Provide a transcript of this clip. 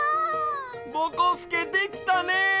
ぼこすけできたね！